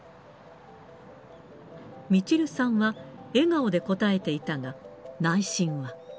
みちるさんは、笑顔で答えていたが、内心は。